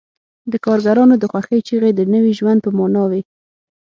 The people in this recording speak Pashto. د کارګرانو د خوښۍ چیغې د نوي ژوند په مانا وې